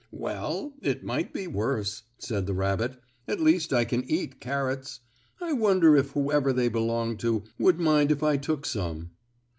"Well, it might be worse!" said the rabbit. "At least I can eat carrots. I wonder if whoever they belong to would mind if I took some?"